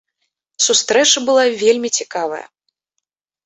Сустрэча была вельмі цікавая.